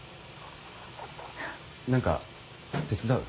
何か手伝う？